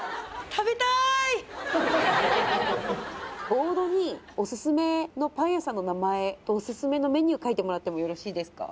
ボードにオススメのパン屋さんの名前とオススメのメニュー書いてもらってもよろしいですか